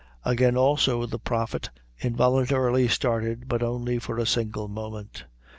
Again, also, the prophet involuntary started, but only for a single moment.